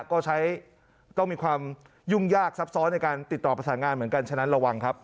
ก็ใช้ต้องมีความยุ่งยากซับซ้อนในการติดต่อประสานงานเหมือนกันฉะนั้นระวังครับ